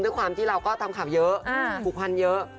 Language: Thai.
ด้วยความที่เราก็ทำข่าวเยอะผูกพันเยอะ